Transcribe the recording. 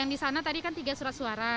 yang disana tadi kan tiga surat suara